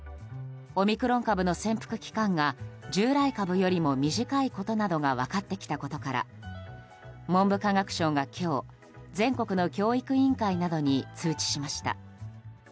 オミクロン株の潜伏期間が従来株よりも短いことなどが分かってきたことから文部科学省が今日全国の教育委員会などに通知しました。